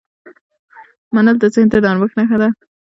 منل د ذهن د نرمښت نښه ده.